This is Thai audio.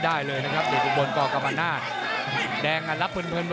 ได้เลยนะครับกบพัสเกาะบ้างแล้ว